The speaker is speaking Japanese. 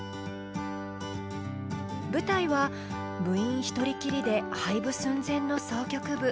舞台は部員一人きりで廃部寸前の箏曲部。